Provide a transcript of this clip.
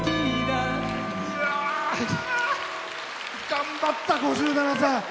頑張った５７歳。